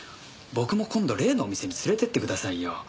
僕も今度例のお店に連れてってくださいよ。